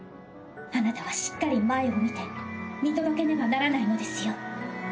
あなたはしっかり前を見て見届けねばならないのですよ。